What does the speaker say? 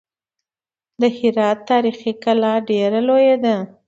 د هرات تاریخي کلا ډېره لویه ده.